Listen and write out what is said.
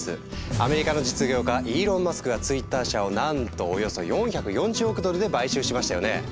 アメリカの実業家イーロン・マスクがＴｗｉｔｔｅｒ社をなんとおよそ４４０億ドルで買収しましたよね。